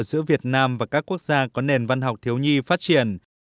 giữa việt nam và các quốc gia có nền văn học thiếu nhi phát triển